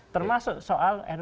termasuk soal ruu pemilu